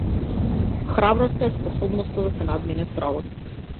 Храброст е способноста да се надмине стравот.